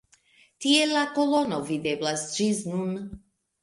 Tie la kolono videblas ĝis nun.